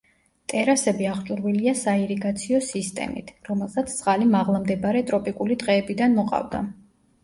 ტერასები აღჭურვილია საირიგაციო სისტემით, რომელსაც წყალი მაღლა მდებარე ტროპიკული ტყეებიდან მოყავდა.